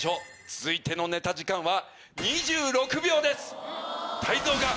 続いてのネタ時間は。